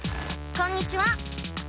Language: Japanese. こんにちは。